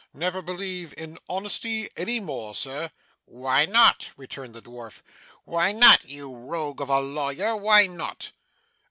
Never believe in honesty any more, sir.' 'Why not?' returned the dwarf. 'Why not, you rogue of a lawyer, why not?